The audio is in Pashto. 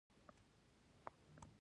فرض کړئ د لازم کار وخت چې څلور ساعته وو